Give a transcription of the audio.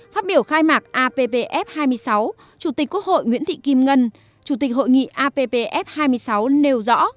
phát biểu khai mạc appf hai mươi sáu chủ tịch quốc hội nguyễn thị kim ngân chủ tịch hội nghị appf hai mươi sáu nêu rõ